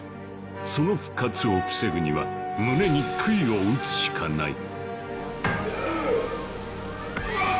その復活を防ぐには胸に杭を打つしかない。